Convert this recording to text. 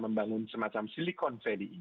membangun semacam silikon